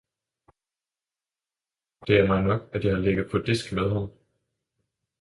'Det er mig nok, at jeg har ligget på disk med ham!